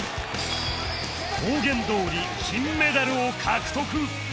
公言どおり金メダルを獲得